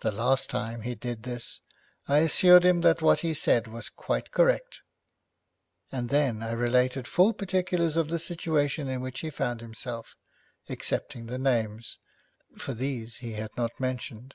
The last time he did this I assured him that what he said was quite correct, and then I related full particulars of the situation in which he found himself, excepting the names, for these he had not mentioned.